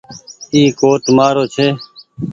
اي ڪوٽ مآ رو ڇي ۔